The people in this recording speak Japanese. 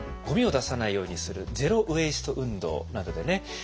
ゴミを出さないようにする「ゼロ・ウェイスト運動」などでね